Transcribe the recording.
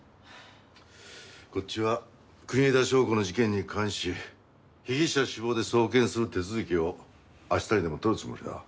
こっちは国枝祥子の事件に関し被疑者死亡で送検する手続きを明日にでも取るつもりだ。